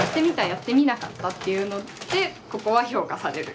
「やってみなかった」っていうのでここは評価される。